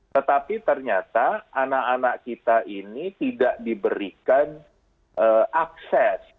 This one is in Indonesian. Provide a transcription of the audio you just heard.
tetapi ternyata anak anak kita ini tidak diberikan akses